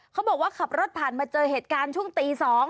เขาบอกว่าขับรถผ่านมาเจอเหตุการณ์ช่วงตี๒